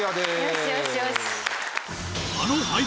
よしよしよし。